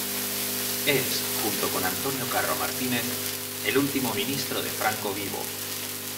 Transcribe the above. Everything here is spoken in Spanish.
Es, junto con Antonio Carro Martínez, el último ministro de Franco vivo.